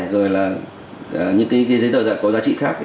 rồi là những giấy tờ có giá trị khác